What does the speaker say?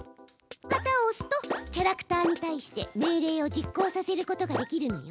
旗をおすとキャラクターにたいして命令を実行させることができるのよ！